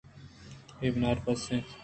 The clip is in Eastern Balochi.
اے بناربس اَت